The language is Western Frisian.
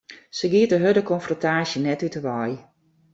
Sy giet de hurde konfrontaasje net út 'e wei.